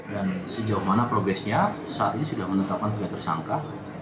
sejauh mana progresnya saat ini sudah menetapkan tiga tersangka